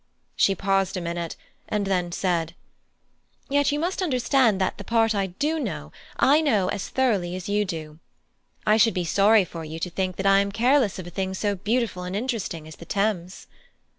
She paused a minute, and then said: "Yet you must understand that the part I do know, I know as thoroughly as you do. I should be sorry for you to think that I am careless of a thing so beautiful and interesting as the Thames."